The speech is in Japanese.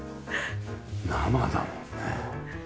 生だもんね。